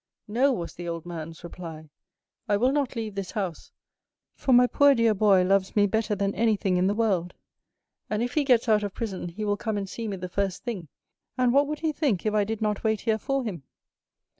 'No,' was the old man's reply, 'I will not leave this house, for my poor dear boy loves me better than anything in the world; and if he gets out of prison he will come and see me the first thing, and what would he think if I did not wait here for him?